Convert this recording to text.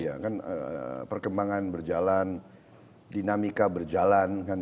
iya kan perkembangan berjalan dinamika berjalan